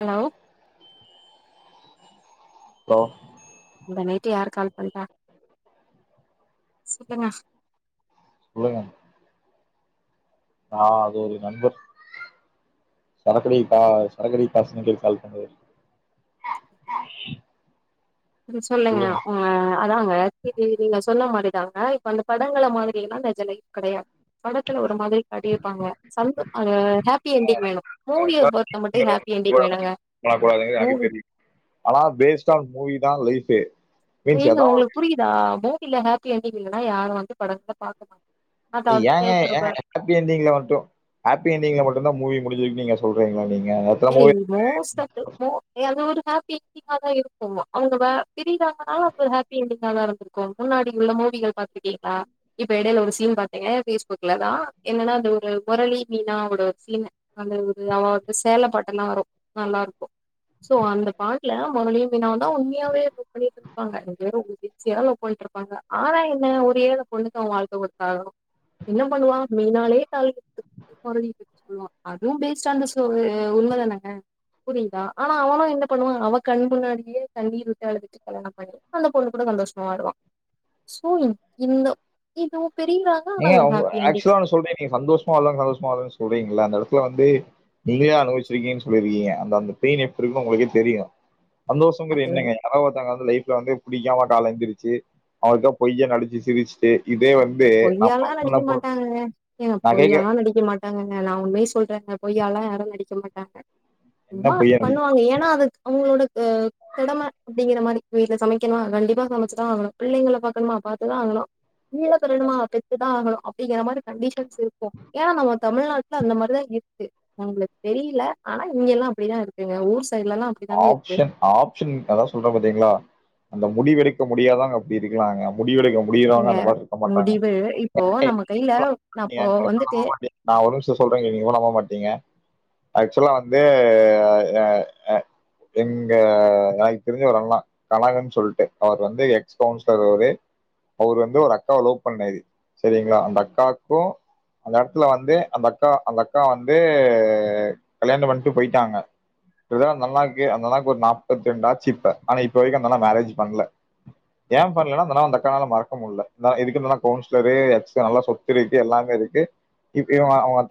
Hello hello இந்த night யாரு call பண்ற சொல்லுங்க சொல்லுங்க நா அது ஒரு நண்பர் சரக்கடிக்க கா சரக்கடிக்க காஸ் [unintelligible] கால் பண்ணாரு ம் சொல்லுங்க உங்க அதாங்க நீங்க சொன்ன மாரிதாங்க இப்ப அந்த படங்கள மாதிரின்னா நெஜ லைஃப் கெடையாது படத்துல ஒரு மாதிரி காட்டியிருப்பாங்க சம்து ஆ ஹேப்பி என்டிங் வேணு மூவிய பொருத்த மட்டு ஹேப்பி என்டிங் வேணுங்க பண்ணக்கூடாதுங்கிறது எனக்கு மூவி தெரியு ஃபே ஏங்க உங்களுக்கு புரியுதா மூ வில ஹேப்பி என்டிங் இல்லன்னா யாரு வந்து படத்த பாக்க மாட்டா ஏங்க ஏங் ஹேப்பி என்டிங்ல மட்டு ஹேப்பி என்டிங்ல மட்டுந்தா மூவி முடியுது நீங்க சொல்றீங்ளா நீ ஏய் மோஸ்ட் ஆஃப் த மோ ஏ அது ஒரு ஹே ப்பி என்டிங்காதா இருக்கு அவ்ங்க வ பிரிராங்கனா அப்ப ஹாப்பி எண்டிங்காதா இருக்கு முன்னாடி உள்ள மூவிகள் பாத்துர்க்கீங்களா இப்ப எடைல ஒரு சீன் பாத்தேங்க ஃபேஸ்புக்ல தா என்னனா அந்த ஒரு முரளி மீனாவோட சீனு அந்த ஒரு அவ அந்த சேல பாட்டுலா வரு நல்லாருக்கு சோ அந்த பாட்ல மொரலியு மீனாவு தா உண்மையாவே இப்ப பண்ணிட்ருப்பாங்க [inaudible] சின்சியரா லவ் பண்ட்ருப்பாங்க ஆனா என்ன ஒரு ஏழ பொண்ணுக்கு அவ வாழ்க்க குடுத்தாகணு என்ன பண்ணுவா மீனாலே [unintelligible] மொறலி [inaudible] சொல்வா அதுவு பேஸ்ட் ஆன் த சோவு து உண்ம தானங்க புரிதா ஆனா அவனு என்ன பண்ணுவா அவ கண் முன்னாடியே கண்ணீர் விட்டு அழுதுட்டு கல்யாணம் பண்ணி அந்த பொண்ணு கூட சந்தோஷமா வாழுவா சோ இந்த இது ஏங்க உங் ஆக்சுவலா ஒன்னு சொல்றே நீங்க சந்தோஷமா இல்ல சந்தோஷமா இல்லன் சொல்றீங்கல அந்த எடத் துல வந்து நீங்களே அனுபவிச்சிருக்கீனு சொல்லீர்க்கிங்க அந்த அந்த பெயின் எப்டி இருக்குன் உங்களுக்கே தெரியு சந்தோஷங்கறது அது என்னங்க யாராது ஒருத்தங்க வந்து லைஃப் ல வந்து புடிக்காம கால்ல எந்துருச்சி அவனுக்கா பொய்யா நடிச்சு சிரிச்சுட்டு இதே வந்து நான் யாலா லவ் பண்ண நடிக்க பொ மாட்டாங்கங்க ஏங்க நான் பொய்யாலா கேட்கிறேன். நடிக்க மாட்டாங்கங்க நா உண்மைய சொல்றங்க பொய்யால்லா யாரு நடிக்க மாட் டாங்க என்ன சும்மா பொய்யா நடிக்க? பண்ணுவாங்க ஏன்னா அதுக் அவ்ங்களோட ஆ கடம அப்டிங்கிற மாறி வீட்ல சமைக்கணு கண்டிப்பா சமச்சுதா ஆகணு பிள்ளைங்கள பாக்கணுமா பாத்துதா ஆகணு [unintelligible] பெத்துதா ஆகணு அப்டிங்கெற மாறி கன்டிஷன்ஸ் இருக்கு ஏன்னா நம்ம தமிழ்நாட்ல அந்த மாறி தா இருக்கு உங்களுக் தெரியில ஆனா இங்கெல்லா அப்டிதா இருக்குங்க ஊர் சைட்லல்லா அப்டிதாங்க இருக்கு ஆப்ஷன் ஆப்ஷன் அதா சொல்ற பாத்தீங்ளா அந்த முடிவெடுக்க முடியாதாங்க அப்டி இருக்குலாங்க முடிவெடுக்க முடியறவங்க ஏங்க அந்த மாறி இருக்க மாட்டாங்க முடிவு இப்போ நம்ம கையில அப்போ வந்துட்டு [unintelligible] நா ஒரு நிமிஷோ சொல்ற கேளுங்க சொன்னா நம்ப மாட்டீங்க ஆக்சுலா வந்து ஆ ஆ ஆ எங்க எனக்கு தெரிஞ்ச ஒரு அண்ணா கனகுன் சொல்ட்டு அவர் வந்து எக்ஸ் கவுன்சுலர் அவுரு அவுரு வந்து ஒரு அக்காவ லவ் பண்ணாரு சரிங்ளா அந்த அக்காக்கு அந்த எடத்ல வந்து அந்த அக்கா அந்த அக்கா வந்து கல்யாணம் பண்ட்டு போய்ட்டாங்க [unintelligible] அந்த அண்ணா க்கு அந்த அண்ணாக்கு ஒரு நாப்பத்திரெண்டாச்சு இப்ப ஆனா இப்ப வரைக்கு அந்தண்ணா மேரேஜ் பண்ல ஏம் பண்லணா அந்தண்ணா அந்தக்கானால மறக்க முட்ல தா இதுக்கு இந்தண்ணா கவுன்ஸ்லரு எக்ஸ் நல்லா சொத்து இருக்கு எல்லாமே இருக்கு இப் இவுங்க இவ்ங்க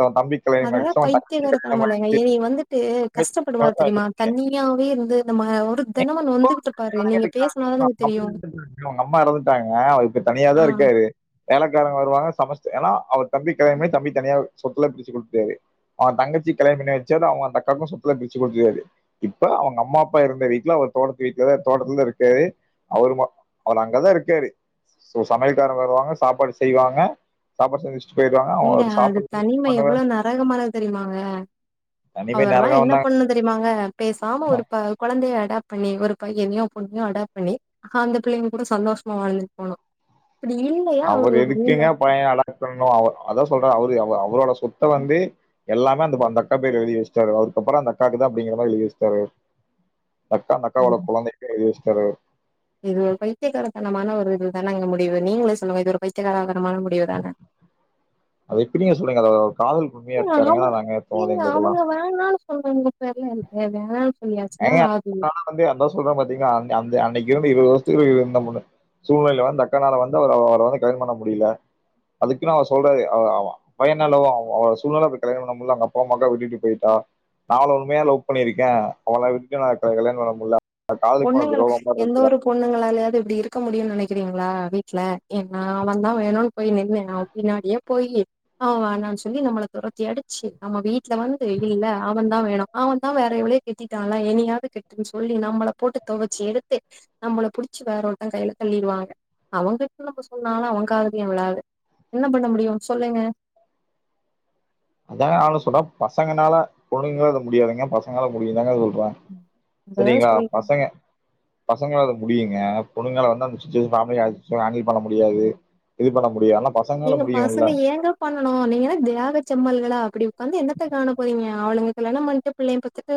அததா பைத்தியகாரத்தனமா இல்லங்க ஆயிடுச்சு ஏ நீ வந்துட்டு கஷ்டப்படுவாரு இப்போ தெரிமா தனி யாவே இருந்து நம்ம ஒரு [inaudible] தெனமு நொந்துகிட்டு இருப்பாரு நீங்க பேசுனாதானங்க தெரியு அவங்க அம்மா எறந்துட்டாங்க அவரு இப்ப தனியாதா ஆ இருக்காரு வேலக்காரங்க வருவாங்க சமஸ்ட ஏன்னா அவ தம்பி கல்யாண பண்ணி தம்பி தனியா சொத்துல பிரிச்சு குடுத்துட்டாரு அவங்க தங்கச்சி கல்யாண பண்ணி வச்சாறு அவங்க அந்த அக்காக்கு சொத்துல பிரிச்சு கொடுத்துட்டாரு இப்ப அவங்க அம்மா அப்பா இருந்த வீட் தோட்டத்து வீட்ல தா தோட்டத்தில இருக்காரு அவ அவர் அங்கதா இருக்காரு சமையல் கார வருவாங்க சாப்பாடு செய்வாங்க சாப்பாடு செஞ்சு வச்சிட் ஏங்க அது தனிமை எவ்வளோ நரகமானது தெரியுமாங்க தனிமை அவர்ல்லா என்ன நரகம் பண்ணனு தெரியுமாங்க பேசாம தாங்க. ஒரு ப கொழந்தைய அப்ப நீ ஒரு பையனோயோ பொண்ணையோ அடாப்ட் பண்ணி அந்த பிள்ளைங்க கூட சந்தோஷமா வாழ்ந்துட்டு போலா அவர் எதுக்குங்க பையன அடக்கணு அவ அதா சொல்றா அவரு அவ அவரோட சொத்த வந்து எல்லாமே அந்த அந்த அக்கா பேர் எழுதி வச்சுட்டாரு அவருக்கு அப்புற அந்த அக்காவுக்குதா அப்படிங்கிற எழுதி வச்சுட்டாரு அவரு [inaudible] இது ஒரு பையித்தியக்காரத்தனமான ஒரு இது னா அங்க முடிவு நீங்களே சொல்லுங்க இது ஒரு பைத்தியகாரகரமான முடிவு தான அத எப்படி நீங்க சொல்றீங்க அத அவங்க ஏங்க அவங்க எங்களுக்கெல்லாம் வேணானு சொன்னா உங்க பேர்ல என்ன எது ஏங்க வந்து அந்த சொல்ற பாத்தீங்கா அந்த அந்த அன்னைக்கு இருந்து இருபது வருஷத்துக்கு இருந்த சூழ்நிலையில வந்து அக்கனால வந்து அவர அவரை வந்து கல்யண பண்ண முடியல அதுக்குன்னு அவர் சொல்றாரு பயனல்ல அவ சூல்நெல அவரு கல்யாணம் பண்ண முடியல அங்க அப்ப அம்மா அக்கா விட்டுட்டு போயிட்டா நான் அவள உண்மையா லவ் பண்ணியிருக்கே அவள விட்டு நா கல்யாண பண்ண முடில பொண்ணுங்கல எந்த ஒரு பொண்ணுங்களாலேயாவது இப்படி இருக்க முடியும்னு நெனைக் க்கிறீங்களா வீட்ல எ நா அவன் தா வேணுன்னு போய் நின்னே அவன் பின்னாடியே போயி அவன் வேனான்னு சொல்லி நம்மள தொரத்தி அடிச்சு நம்ம வீட்ல வந்து இல்ல அவன்தா வேணு அவன் தான் வேற எவளயோ கெட்டிட்டால இனியாவது கெட்டுன்னு சொல்லி நம்மள போட்டு தொவச்சு எடுத்து நம்மள புடிச்சு வேற ஒருத்த கையில தள்ளிடுவாங்க அவங்கிட்ட நம்ம சொன்னாலு அவங்காதுலயு விழாது என்ன பண்ண முடியு சொல்லுங்க அதாங்க நானு சொல்றே பசங்கனால பொன்ணுங்கள அது முடியாதுங்க பசங்களால அது முடியுங்க அது வா அதா சரிங்ளா சொல்ற பசங்க பசங்கள முடியுங்க ஆனா பொண்ணுங்களாருந்தா அந்த சிச்சுவேஷன் [unintelligible] ஹேண்டில் பண்ண முடியாது இது பண்ண முடியா அல்லா ஏங்க பசங்க ஏங்க பண்ணனு நீங்க என்ன தியாக செம்மல் எல்லா அப்புடி உக்காந்து என்னத்த காண போறீங்க அவளுங்க கல்யாணம் பண்ணிட்டு பிள்ளையையு பெத்துட்டு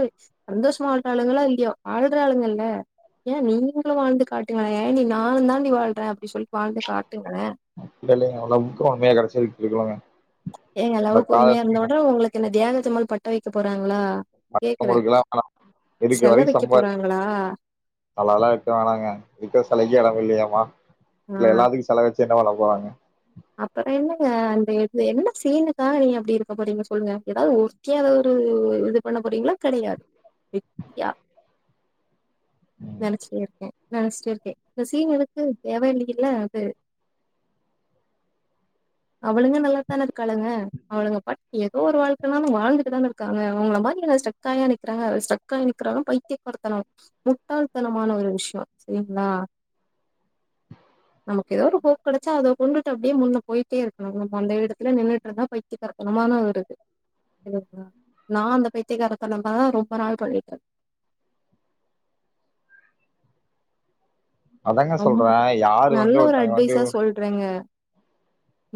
சந்தோஷமா வாழ்வார்களோ இல்லியோ வாழ்றாங்களா ஏ நீங்களும் வாழ்ந்து காட்டுங்களே ஏண்டி நானும் தாண்டி வாழ்கிறே அப்டின்னு சொல்லி வாழ்ந்து காட்டுங்களே அப்பட இல்லங்க அவ்ளோ உக்க கெடைச்சதுட்டு இருக்கலாங்க ஏங்க லவ்வுக்குமைய இருந்த மட்டு உங்களுக்கு என்ன தியாக தும்மல் பட்ட வைக்க போறாங்களா கேக்குறே பட்டலகுடுல்லாம் வே இருக்க செல வரைக்கும் வைக்க சம்ப போறாங்களா நல்லாம் இருக்க வேணாங்க இக்க சிலைக்கு இடம் இல்லியாமா இல்ல எல்லாத்துக்கு செல வெச்சு [unintelligible] அப்புறம் என்னங்க அந்த இது என்னன்ன சீனுக்காக நீங்க அப்டி இருக்க போறீங்க சொல்லுங்க எதாவ்து ஒத்தாத ஒரு இது பண்ண போறீங்களா கெடையாது வெத்தியா ம் நெனைச்சிட்டே இருக்கே நெனைச்சிட்டே இருக்கே இந்த சீன் எனக்கு தேவ இல்லில்ல அது அவளுங்க நல்லாத்தானே இருக்காளுங்க அவளுங்க ப ஏதோ ஒரு வாழ்க்கைனாலு வாழ்ந்துட்டு தான இருக்காங்க அவங்களளை மாரி என்ன ஸ்டக்கா ஆயா நிக்கிறாங்க ஸ்டரக்காய் நிக்கிறக்றாலும் பைத்தியக்காரத்தனம் முட்டாள்தனமான ஒரு விஷயம் சரிங்களா நமக்கு ஏதோ ஒரு போக் கடைச்சா அதோ கொண்டு ண்டு அப்படியே முன்ன போயிட்டே இருக்கணு நம்ம அந்த எடத்துல நின்ட்டு இருந்தா பைத்திய கரத்தனமா தா வருது இ நா அந்த பைத்திய கரத்தனாதா ரொம்ப நாள் பன்னிட்டே அதாங்க ரொம்ப சொல்றே யாரு வந்து ஒருத்தங்க வந்து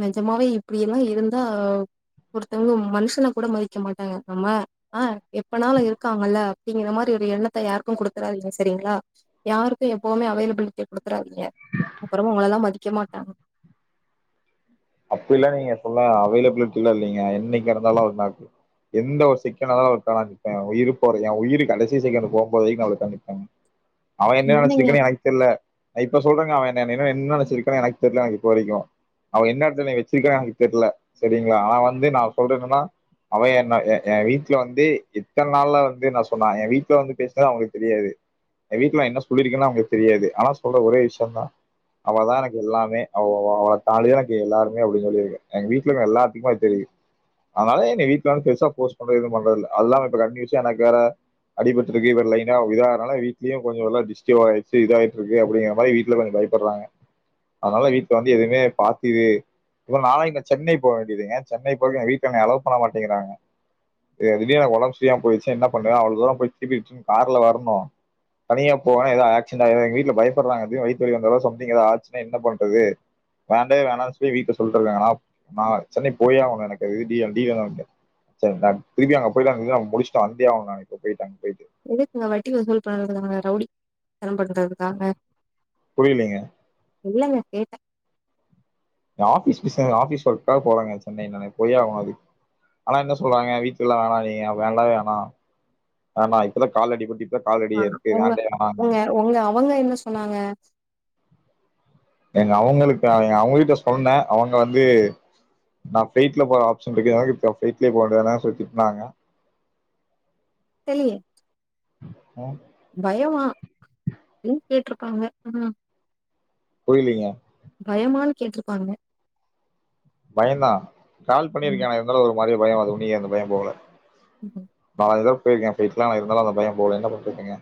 நிஜமாவே இப்படியெல்லா இருந்தா ஒருத்தவங்க மனுஷனை கூட மதிக்க மாட்டாங்க நம்ம ஆஹ் எப்பனால இருக்காங்கல்ல அப்டிங்கிற மாரி ஒரு எண்ணத்தை யாருக்கு குடுத்துறாதீங்க செரிங்களா யாருக்கு எப்புவுமே அவைலபிலிட்டி குடுத்துராதீங்க அப்புற உங்களல்லா மதிக்க கமோட்டாங் அப்டில்லா நீங்க சொல்ல அவைலபிலிட்டி இல்ல இல்லிங்க என்னைக்கா இருந்தாலு எந்த ஒரு செகண்ட் ஹா இருந்தாலு அவளுக்காக நிற்பேன் உயிர் போற என் உயிரூ கடைசி போற வரைக்கு நா அவளுக்காக நிப்பேன் அவன் என்ன என்னங்க நெச்சிருக்கானு எனக்கு தெரியல நா இப்ப சொல்றேங்க அவ என்னக்க எனக்கு நெனைத்திருக்கிறா எனக்கு தெரில எனக்கு இப்ப வரைக்கு அவ என்ன ந்தனை வெச்சிருக்கா எனக்கு தெரில செரிங்களா ஆனா வந்து நா சொல்றேனன்னா அவ என் என் வீட்ல வந்து எத்தன நாள்ல வந்து நா சொன்ன ஏ வீட்டுல வந்து பேசினத அவங்களுக்கு தெரியாது என் வீட்டுல என்ன சொல்லிருக்கன்னா அவங்களுக்கு தெரியாது ஆனா சொல்ற ஒரே விஷயம் தா அவதா எனக்கு எல்லாமே அவதான்டிதா எல்லாமே சொல்ல எங்க வீட்ல எல்லாத்துக்குமே அது தெரியு அதனால என்ன வீட்ல வந்து ப பெருசா போர்ஸ் பண்றது எதுவு பண்றது இல்ல அல்ல இப்ப கண்டனுசா எனக்கு வேற அடிபட்டு இருக்கு வேற லைனா இது ஆறதுனால வீட்லயு கொஞ்சோ டிஸ்டி ஆயிடுச்சு இதாயி இருக்கு அப்டிங்கற மாரி வீட்ல கொஞ்சோ பயப்படுறாங்க அதனால வீட்ல வந்து எதுவுமே பாத்து இ நாளை சென்னை போக வேண்டியதுங்க சென்னை போறங்க வீட்ல என் அளோ பண்ண மாட்டேங்காங்க திடீர்னு ஒடம்பு செரி இல்லாம போயிச்சு என்ன பண்ண அவ்ளோ தூரம் போய திருப்பி கார்ல வரணு தனியா போவே ஏத ஆக்சுனா வீட்ல பயப்படுறாங்க வய வி வந்தட சம்த்திங் ஆச்சா என்ன பண்றது வேண்டே வேனு சொல்லி வீட்ல சொல்லிட்டு இருக்காங்க நா நா சென்னை போயே ஆகணு எனக்கு டி செரிங்களா திருப்பி அங்க போயிட்டு முடிச்சுட்டு வந்தே ஆகணு எதுக்குங்க வட்டி வசூல் பண்ணறதுங்க ரவுடி த்தம் பண்றதுக்காங்க புரியலீங்க இல்லங்க கேட்டே ஆபீஸ் பி ஆபீஸ் ஒர்க்கா போறாங்க சென்னை போயே ஆகு அதுக்கு ஆனா என்ன சொல்றாங்க வீட்டுலெல்லா வேணா நீங்க வேண்டாம் வேணாம் இப்பதா கால்ல அடிபட்டு இப்பதா கால் அடி ஆஹ் இருக்கு உங்க வேண்டவே வேணா உங்க உங்க அவங்க என்ன சொன்னாங்க எங்க அவங்களுக்கு அவங்ககிட்ட சொன்னே அவங்க வந்து நா பிளைட்ல போற ஆப்ஷன் இருக்குட்லயே போது பிளைட்லயே போக வேண்டியது தான திட்னாங்க [unintelligible] ஆஹ் பயமா அப்டின்னு கேட்டிருக்காங்க ஆஹ புரிலீங்க பயமானு கேட்டுருப்பாங்க பயம்தா கால் ம் பண்ணிருக்கோனா மாரியே பயம் உன்னி அந்த பயோ போகல ம் [unintelligible] போயிருக்கே வீட்டு்லா இருந்தாலு அந்த பயம் போல என்ன பண்ணுறதுங்க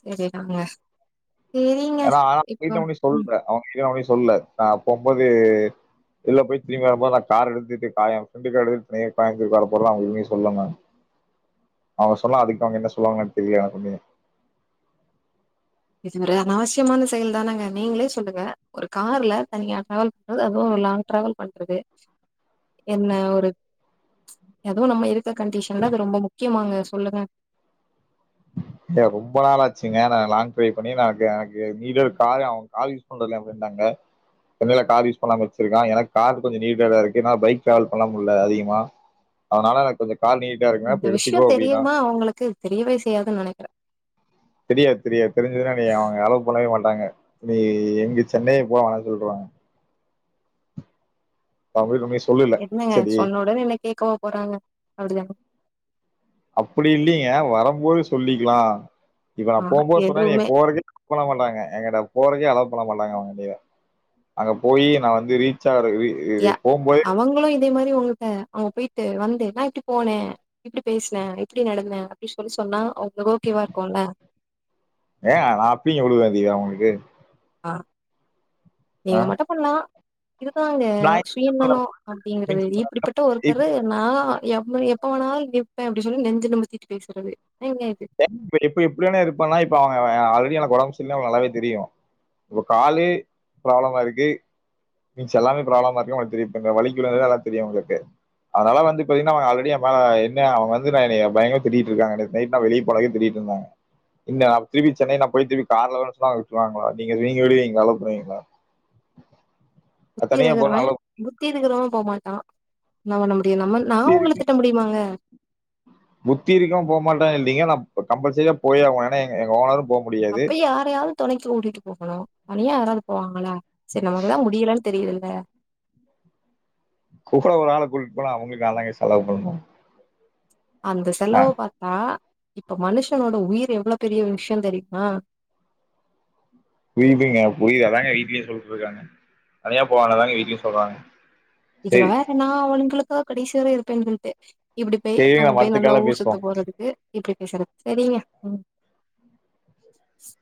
செரி ம் ஏனா வீட்ல போய் சொல்ற அவங்க வீட்ல போய் சொல்ல நா போம்போது வெள்ல போய் திரும்பி வரும்போது நா கார் எடுத்துட்டு கா எ ஃப்ரெண்டு கார் எடுத்துட்டு தனியா கோயமுத்தூருக்கு வர போறன்ல நா ஒண்ணுமே சொல்ல நானு அவுங்க சொன்னா அதுக்கு அவுங்க என்ன சொல்லுவாங்கனு எனக்கு தெரியு எனக்குமே இது ஒரு அனாவசியமான செயல் தானங்க நீங்களே சொல்லுங்க ஒரு கார்ல தனியா டிராவல் பண்றது அதுவு ஒரு லாங் டிராவல் பண்றது என்ன ஒரு எதுவு நம்ம இருக்க கண்டிஷன்ல அது ரொம்ப முக்கியமாங்க சொல்லுங்க ஏங்க ரொம்ப நாாளாச்சுங்க நா லாங் டிரைவ் பண்ணி எனக்கு எனக்கு நீடடு காய அவுங்க கார் யூஸ் பண்றதில்ல அவுங்க இருந்தாங்க எடைல கார் யூஸ் பண்ணாம வச்சிருக்கா எனக்கு கார் கொஞ்ச நீடடா இருக்கு ஏனா பைக் ட்ராவல் பண்ண முடில அதிகமா அதனால எனக் கொஞ்ச இந்த விஷயோ தெரியுமா அவுங்களுக்கு தெரியவே செய்யாதுன் நெனைக்கற தெரியாது தெரியாது தெரிஞ்சுதுனா எனைய அவுங்க அலவ் பண்ணவே மாட் டாங்க நீ எங்க சென்னைய போ வேணா சொல்லிருவாங்க நா போய் உண்மை என்னங்க சொன்ன ஒடனே என்ன கேக்கவா போறாங்க அப்டிதான அப்பிடி இல்லிங்க வரம்போது சொல்லிக்லா இப்ப நா ஆ போம்போது சொன்னா எனைய எதுவுமே போறக்கே [inaudible] மாட்டாங்க எங்கட்ட போறக்கே அலவ் பண்ண மாட்டாங்க அவுங்க எனைய அங்க போயி நா வந்து ரீச்சா ய இ போம் போதே அவங்களும் இதே மாரி உங்கள்ட்ட அவுங்க போய்ட்டு வந்து நா இப்டி போனே இப்டி பேசுன இப்டி நடந்தே அப்டி சொல்லி சொன்னா அவங்களுக்கு ஓகேவா இருக்கும்ல ஏங்க நா அப்பிங்க விடுவ இதய அவுங்ளுக்கு ஆ ஆ நீங்க மட்டு பண்லா இதுதாங்க நா சுயநலம் அப்படிங்கறது இப்படிப்பட்ட ஒருத்தரு இப்ப நான் எ எப்ப வேணாலும் நிப்பேன் அப்படி சொல்லி நெஞ்சு நிமித்திட்டு பேசுறது ஏங்க இது இப்ப எப்ப எப்படிவேணா இருப்பான்னா இப்ப அவ ஆள் எனக்கு உடம்புசரியில்லை நல்லாவே தெரியும் இப்ப காலே ப்ராப்ளமா இருக்கு [unintelligible] மி எல்லாமே ப்ராப்ளமா இருக்கும்அவங்களுக்கு தெரியும் வலிக்கும்கறது நல்லாவே தெரியும் அவுங்களுக்கு அதனால வந்து பாத்தீங்கன்னா அவங்க ஆல்ரெடி எம் மேல என்ன அவன் வந்து நான் பயங்கர திட்டிட்டு இருக்காங்க நை்ட் நா வெளியே போலாங்க திருட்டு இருந்தாங்க இன் திருப்பி சென்னை நான் போய் திருப்பி கார்ல சொன்னா அவங்க விடுவாங்களா நீங்க வெளியவிடுவீங்களா நீங்க அலவ் பண்ணுவீங்களா [unintelligible] நான் புத்தி தனியா போறேன் எழுதறவேன் அலோ [unintelligible] இருக்கறவன் போக மாட்டான் [unintelligible] நான் நம்ம புத்தி நான் உங்களை இருக்கு திட்ட முடியுமாங்க க்ஷ இல்லைங்க நான் கம்பல்சரியா போயே ஆகணும் ஏன்னா எங்க ஓனரும் போ முடியாது. அப்ப யாரையாவது துணைக்கு கூட்டிட்டு போகணும் தனியா யாராவது போங்களா சரி நமக்கு தான் முடியலேன்னு தெரியுதல்ல ஆஹ கூட ஒரு ஆளை கூட்டிட்டு போனா அவங்களுக்கு நாங்க தான் செலவு பண்ணணும் அந்த ஆ செலவு பாத்தா இப்ப மனுஷனோட உயிர் எவ்வளவு பெரிய விஷயம் தெரியுமா புரியுதுங்க புரியுது அதாங்க வீட்லயும் சொல்லிட்டு இருக்காங்க தனியா போகவேண்டாய்யா அதாங்க வீட்லயும் சொல்றாங்க இதுல சரி. வேற நா அவளுங்களுக் ஆஹ் கடைசி வர இருப்பேன் இப்படி பேய் சரிங்க அங்க நம்ம போய் அடுத்த நல்லா கால்ல ஊர் பேசுவோம். சுத்த போறதுக்கு இப்படி பேசறது சரிங்க உம் இஷ்